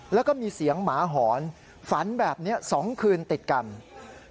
แล้วก็มีเสียงหมาหอนฝันแบบนี้๒คืนติดกัน